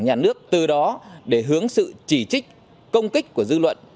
nhà nước từ đó để hướng sự chỉ trích công kích của dư luận